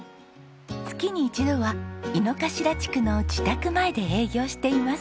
月に一度は猪之頭地区の自宅前で営業しています。